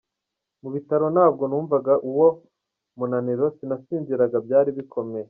Mu bitaramo ntabwo numvaga uwo munaniro, sinasinziraga, byari bikomeye…”.